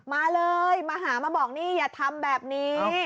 มาเลยมาหามาบอกนี่อย่าทำแบบนี้